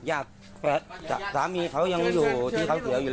สามีเขายังอยู่ที่เขาเสืออยู่เลย